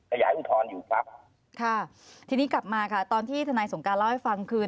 ขยายอุทธรณ์อยู่ครับค่ะทีนี้กลับมาค่ะตอนที่ทนายสงการเล่าให้ฟังคือ